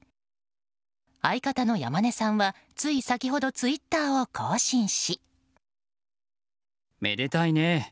相方の山根さんはつい先ほどツイッターを更新し。